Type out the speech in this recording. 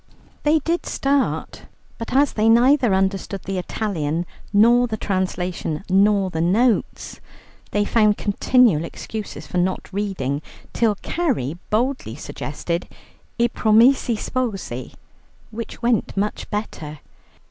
They did start, but as they neither understood the Italian, nor the translation, nor the notes, they found continual excuses for not reading, till Carrie boldly suggested "I Promessi Sposi," which went much better.